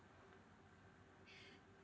ada perbedaannya nggak prof